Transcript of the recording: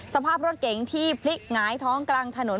สภาพรถเก๋งที่พลิกหงายท้องกลางถนน